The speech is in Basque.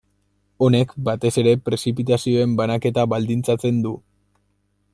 Honek, batez ere prezipitazioen banaketa baldintzatzen du.